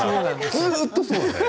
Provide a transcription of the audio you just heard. ずっとそうだよね？